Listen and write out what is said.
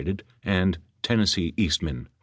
and Tennessee Eastman Co.